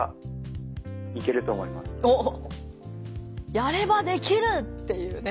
「やればできる！」っていうね。